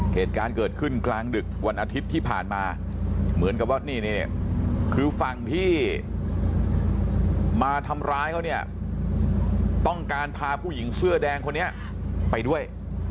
เหตุการณ์เกิดขึ้นกลางดึกวันอาทิตย์ที่ผ่านมาเหมือนกับว่านี่คือฝั่งที่มาทำร้ายเขาเนี่ยต้องการพาผู้หญิงเสื้อแดงคนนี้ไปด้วย